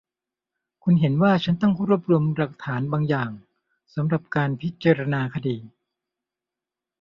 คุณเห็นว่าฉันต้องรวบรวมหลักฐานบางอย่างสำหรับการพิจารณาคดี